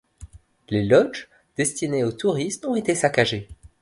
Les lodges destinés aux touristes ont été saccagés.